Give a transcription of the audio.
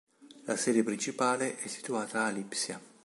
La sede principale è situata a Lipsia.